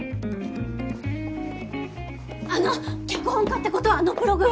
あの脚本家ってことはあのブログは？